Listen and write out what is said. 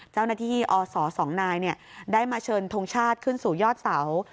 เจ้าหน้าที่อศ๒นายได้มาเชิญทงชาติขึ้นสู่ยอดเสา